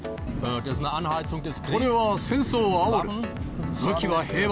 これは戦争をあおる。